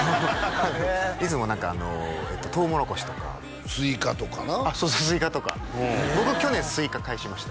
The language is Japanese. いつも何かトウモロコシとかスイカとかなそうそうスイカとか僕去年スイカ返しました